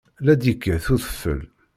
La d-yekkat udfel.